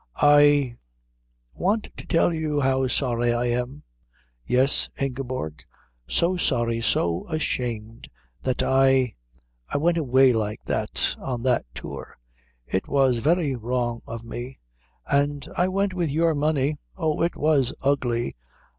"I want to tell you how sorry I am." "Yes, Ingeborg?" "So sorry, so ashamed that I I went away like that on that tour. It was very wrong of me. And I went with your money. Oh, it was ugly.